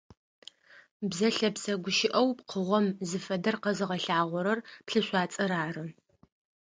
Бзэ лъэпсэ гущыӀэу пкъыгъор зыфэдэр къэзыгъэлъагъорэр плъышъуацӀэр ары.